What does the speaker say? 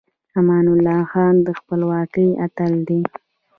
امان الله خان د خپلواکۍ اتل دی.